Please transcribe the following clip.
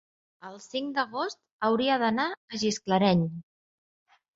el cinc d'agost hauria d'anar a Gisclareny.